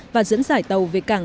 và dẫn dải tàu về cảng